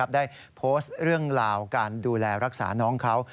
ได้โพสต์เรื่องราวการดูแลรักษาน้องเขา